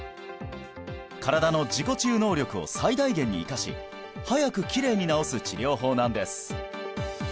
身体の自己治癒能力を最大限に生かし早くきれいに治す治療法なんです